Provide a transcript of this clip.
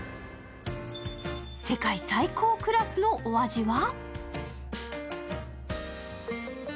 世界最高峰クラスのお味は？